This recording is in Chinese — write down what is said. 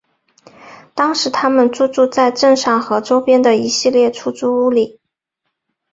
当时他们租住在镇上和周边的一系列出租屋里。